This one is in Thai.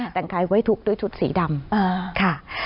ต่างคายไว้ถูกด้วยชุดศรีดำค่ะ